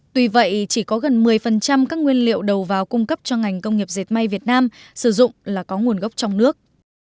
tuy vậy chỉ có gần một mươi các nguyên liệu đầu vào cung cấp cho ngành công nghiệp dệt may việt nam sử dụng là có nguồn gốc trong nước